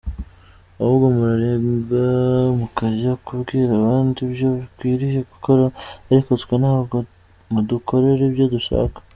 Ahubwo murarenga mukajya kubwira abandi ibyo bakwiriye gukora, ariko twe ntabwo mudukorera ibyo dushaka.